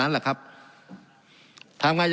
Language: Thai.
การปรับปรุงทางพื้นฐานสนามบิน